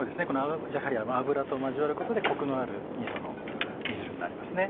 やはり油と交わることでコクのあるみその煮汁になりますね。